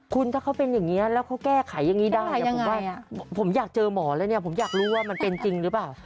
คุณถ้าเขาเป็นอย่างนี้แล้วเขาแก้ไขอย่างนี้ได้ผมว่าผมอยากเจอหมอแล้วเนี่ยผมอยากรู้ว่ามันเป็นจริงหรือเปล่า